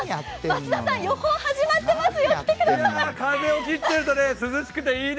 増田さん、予報始まってますよ、来てください。